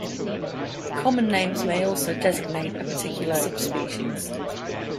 Common names may also designate a particular subspecies.